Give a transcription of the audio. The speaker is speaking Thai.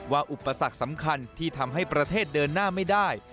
อุปสรรคสำคัญที่ทำให้ประเทศเดินหน้าไม่ได้